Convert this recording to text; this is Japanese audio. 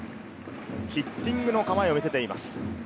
ヒッティングの構えを見せています。